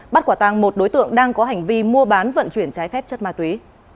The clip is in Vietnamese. bắt quả tăng một đối tượng đang có hành vi mua bán vận chuyển trái phép chất ma túy